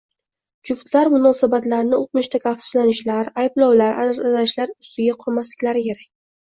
Juftlar munosabatlarini o‘tmishdagi afsuslanishlar, ayblovlar, arazlashlar ustiga qurmasliklari kerak.